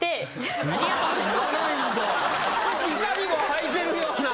いかにもはいてるようなね